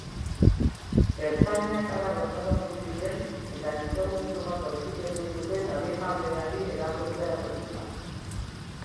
Ertzainak hara bertaratu ziren, eta gizonezko bat auzipetu zuten adingabeari erasotzea egotzita.